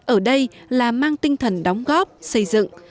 ở đây là mang tinh thần đóng góp xây dựng